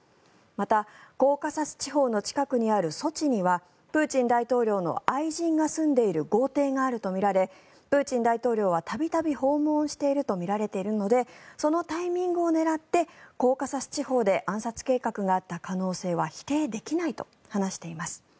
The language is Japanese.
また、コーカサス地方の近くにあるソチにはプーチン大統領の愛人が住んでいる豪邸があるとみられプーチン大統領は度々訪問をしているとみられているのでそのタイミングを狙ってコーカサス地方で暗殺計画があった可能性は否定できないと話しています。